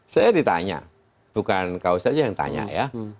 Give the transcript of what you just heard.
saya ditanya bukan kau saja yang tanya ya